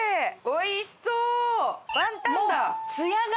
おいしそう！